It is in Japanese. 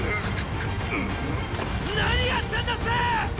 何やってんだ政っ！！